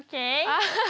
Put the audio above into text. アハハ。